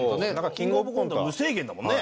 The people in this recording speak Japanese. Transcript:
キングオブコントは無制限だもんね。